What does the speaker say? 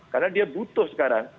karena dia butuh sekarang